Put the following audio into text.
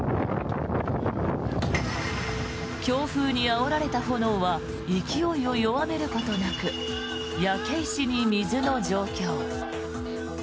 強風にあおられた炎は勢いを弱めることなく焼け石に水の状況。